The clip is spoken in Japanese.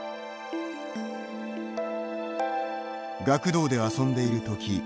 学童で遊んでいるとき